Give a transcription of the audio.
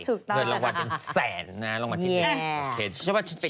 ถือต้านเหนือร้อนหวัดอย่างแสนน้าหรือยังไหมพี่